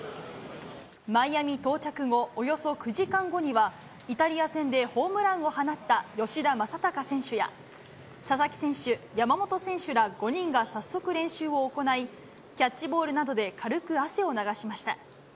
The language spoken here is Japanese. マイアミ到着後およそ９時間後には、イタリア戦でホームランを放った吉田正尚選手や、佐々木選手、山本選手ら５人が早速練習を行い、キャッチボールなどで軽く汗を流しました。